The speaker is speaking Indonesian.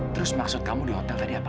terus maksud kamu di hotel tadi apa